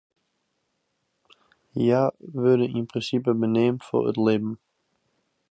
Hja wurde yn prinsipe beneamd foar it libben.